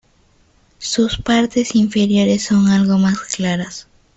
Sus partes inferiores son algo más claras.